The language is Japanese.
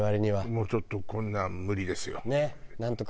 もうちょっとこんなの無理ですよ。